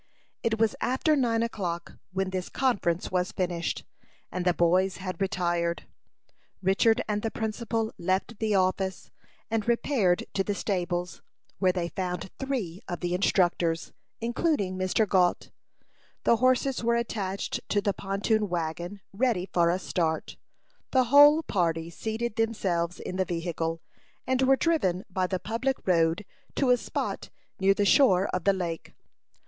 It was after nine o'clock when this conference was finished, and the boys had retired. Richard and the principal left the office, and repaired to the stables, where they found three of the instructors, including Mr. Gault. The horses were attached to the pontoon wagon, ready for a start. The whole party seated themselves in the vehicle, and were driven by the public road to a spot near the shore of the lake.